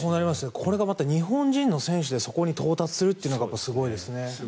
これがまた日本人の選手でそこに到達するっていうのがすごいですね。